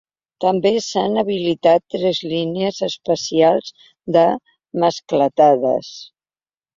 També s’han habilitat tres línies especials de mascletades.